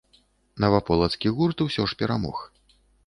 Наваполацкі гурт усё ж перамог.